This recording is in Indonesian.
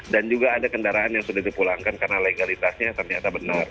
dan juga ada kendaraan yang sudah dipulangkan karena legalitasnya ternyata benar